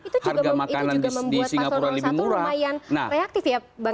itu juga membuat pasok satu lumayan reaktif ya bang emro sih ya